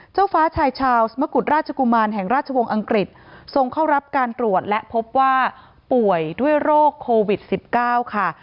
เจ้าฟ้าชายชาวสมกุฎราชกุมารแห่งราชวงศ์อังกฤษทรงเข้ารับการตรวจและพบว่าป่วยด้วยโรคโควิด๑๙ค่ะ